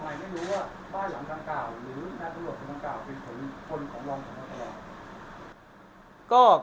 ทำไมไม่รู้ว่าบ้านหลังทางกล่าวหรือนักตรวจทางกล่าวเป็นคนของรองของทางกล่าว